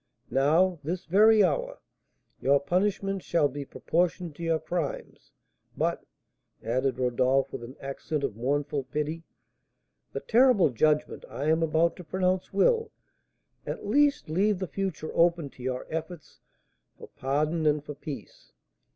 Now this very hour your punishment shall be proportioned to your crimes. But," added Rodolph, with an accent of mournful pity, "the terrible judgment I am about to pronounce will, at least, leave the future open to your efforts for pardon and for peace.